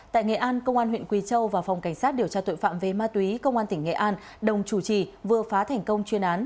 tại nghệ an công an huyện quỳ châu và phòng cảnh sát điều tra tội phạm về ma túy công an tỉnh nghệ an đồng chủ trì vừa phá thành công chuyên án